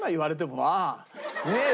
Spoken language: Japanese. ねえ。